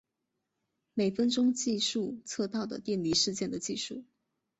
每分钟计数测到的电离事件的计数。